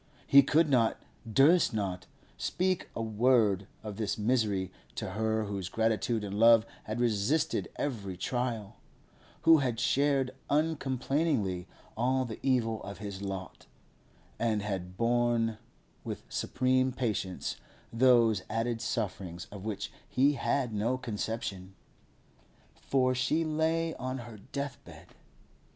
He could not, durst not, speak a word of this misery to her whose gratitude and love had resisted every trial, who had shared uncomplainingly all the evil of his lot, and had borne with supreme patience those added sufferings of which he had no conception. For she lay on her deathbed.